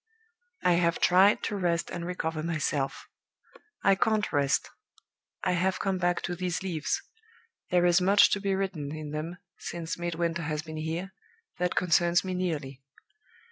"I have tried to rest and recover myself. I can't rest. I have come back to these leaves. There is much to be written in them since Midwinter has been here, that concerns me nearly.